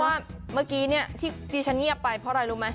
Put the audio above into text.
ว่าเมื่อกี้ที่ฉันเงียบไปเพราะอะไรรู้ไหม